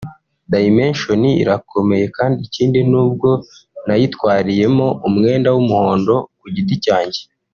Dimension irakomeye kandi ikindi nubwo nayitwariyemo umwenda w’umuhondo ku giti cyanje